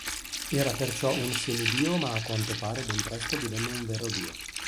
Era perciò un semidio ma a quanto pare ben presto divenne un vero dio.